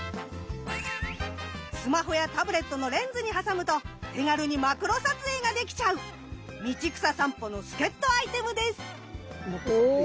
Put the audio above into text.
スマホやタブレットのレンズに挟むと手軽にマクロ撮影ができちゃう道草さんぽの助っとアイテムです。